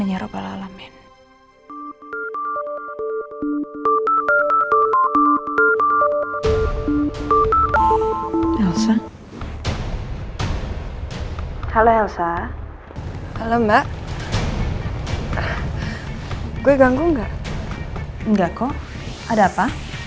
enggak kok ada apa